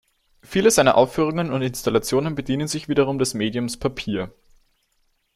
Viele seiner Aufführungen und Installationen bedienen sich wiederum des Mediums Papier.